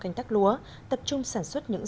canh tắc lúa tập trung sản xuất những